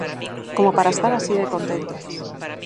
¡Como para estar así de contentos!